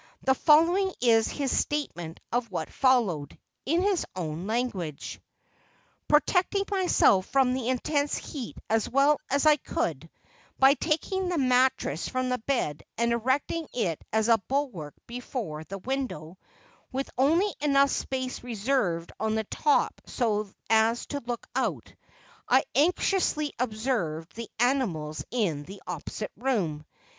The following is his statement of what followed, in his own language: Protecting myself from the intense heat as well as I could, by taking the mattress from the bed and erecting it as a bulwark before the window, with only enough space reserved on the top so as to look out, I anxiously observed the animals in the opposite room.